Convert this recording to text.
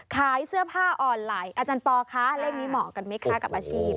ขายเสื้อผ้าออนไลน์อาจารย์ปอคะเลขนี้เหมาะกันไหมคะกับอาชีพ